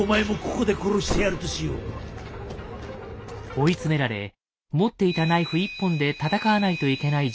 追い詰められ持っていたナイフ１本で戦わないといけない状況に。